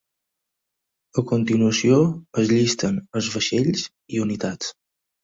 A continuació es llisten els vaixells i unitats.